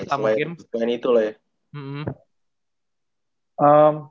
selain itu lah ya